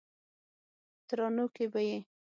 ترانو کې به یې